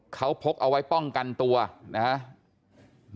เขาพกเอาไว้ป้องกันตัวนะครับ